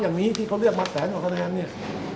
อย่างงี้ที่เขาเลือกบัดแสนหวักแสนแหอย่างเงี้ย